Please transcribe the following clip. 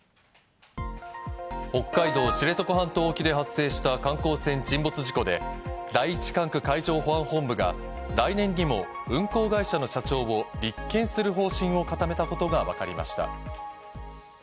北海道知床半島沖で発生した観光船沈没事故で第一管区海上保安本部が来年にも運航会社の社長を立件する方針を固めたことがわかりました。